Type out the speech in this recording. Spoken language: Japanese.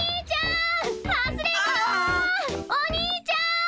お兄ちゃん！